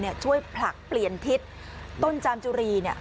ใช่ก็จุดพลักไปเลย